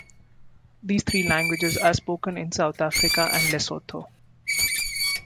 These three languages are spoken in South Africa and Lesotho.